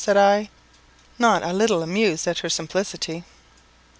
said I, not a little amused at her simplicity.